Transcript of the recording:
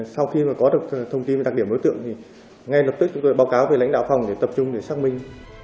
sau khi mà có được thông tin về đặc điểm đối tượng thì ngay lập tức chúng tôi báo cáo về lãnh đạo phòng để tập trung để xác minh